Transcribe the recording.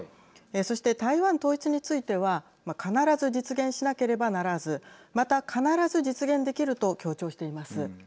そして、台湾統一については必ず実現しなければならずまた必ず実現できると強調しています。